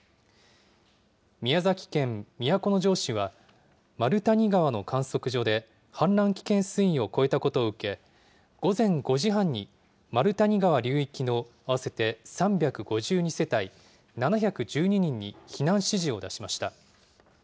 宮崎県都城市は、丸谷川の観測所で氾濫危険水位を超えたことを受け、午前５時半に丸谷川流域の合わせて３５２世帯７１２人に避難指示を出しました。